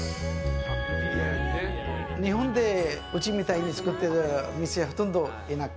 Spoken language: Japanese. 日本でうちみたいに作ってるお店はほとんどいなくて。